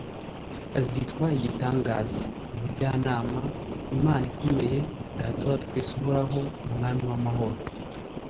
Azitwa Igitangaza, umujyanama, Imana ikomeye, Data wa twese Uhoraho, Umwami w'amahoro